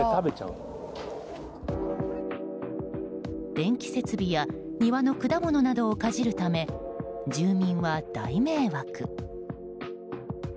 電気設備や庭の果物などをかじるため、住民は大迷惑。